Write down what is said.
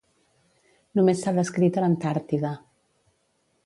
Només s'ha descrit a l'Antàrtida.